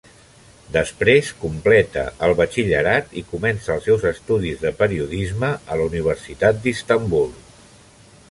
Després completa el batxillerat i comença els seus estudis de periodisme a la Universitat d'Istanbul.